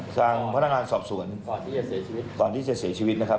สร้างพนักงานสอบส่วนก่อนที่จะเสียชีวิต